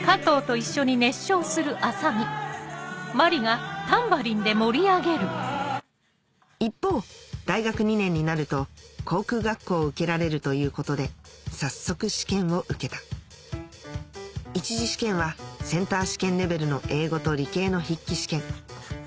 染められたなら一方大学２年になると航空学校を受けられるということで早速試験を受けた１次試験はセンター試験レベルの英語と理系の筆記試験